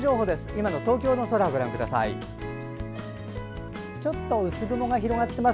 今の東京の空をご覧ください。